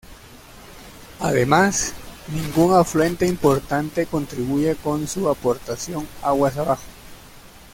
Además, ningún afluente importante contribuye con su aportación aguas abajo.